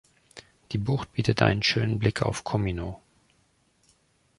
Die Bucht bietet einen schönen Blick auf Comino.